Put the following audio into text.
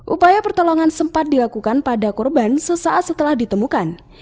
upaya pertolongan sempat dilakukan pada korban sesaat setelah ditemukan